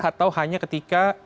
atau hanya ketika